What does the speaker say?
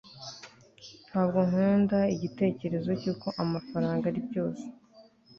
Ntabwo nkunda igitekerezo cyuko amafaranga ari byose